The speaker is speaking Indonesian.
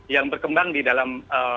yang berkembang di dalam